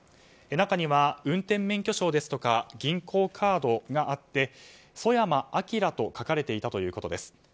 中には運転免許証ですとか銀行カードがあって「ソヤマ・アキラ」と書かれていたということです。